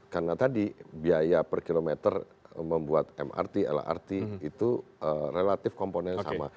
karena tadi biaya per kilometernya membuat mrt lrt itu relatif komponen yang sama